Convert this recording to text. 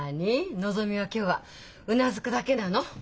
のぞみは今日はうなずくだけなの？